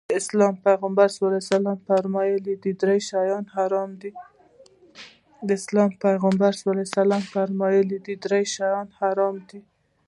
د اسلام پيغمبر ص وفرمايل درې شيان حرام دي.